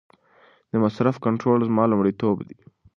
د مصرف کنټرول زما لومړیتوب دی.